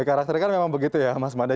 karakternya kan memang begitu ya mas mada